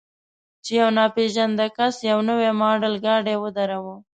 چې یو ناپېژانده کس یو نوی ماډل ګاډی ودراوه.